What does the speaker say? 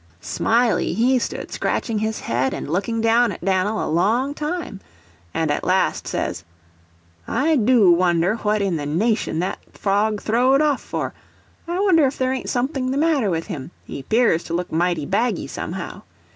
Smiley he stood scratching his head and looking down at Dan'l a long time, and at last says, "I do wonder what in the nation that frog throwed off for—I wonder if there ain't something the matter with him—he 'pears to look mighty baggy, somehow."